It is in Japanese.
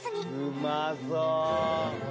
うまそう。